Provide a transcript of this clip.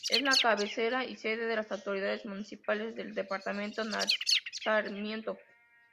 Es la cabecera y sede de las autoridades municipales del departamento Sarmiento.